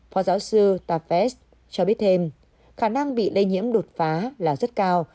phó giáo sư ta cho biết thêm khả năng bị lây nhiễm đột phá là rất cao